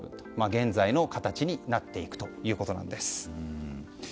現在の形になっていくということなんです。